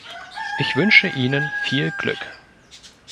Ich wünsche Ihnen viel Glück!